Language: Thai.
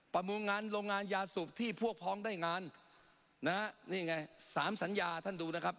ประมงงานโรงงานยาสูบที่พวกพ้องได้งานนะฮะนี่ไงสามสัญญาท่านดูนะครับ